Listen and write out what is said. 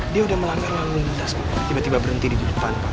dia udah melanggar lalu lintas tiba tiba berhenti di depan pak